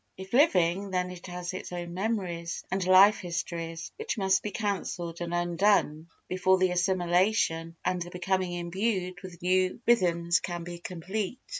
If living, then it has its own memories and life histories which must be cancelled and undone before the assimilation and the becoming imbued with new rhythms can be complete.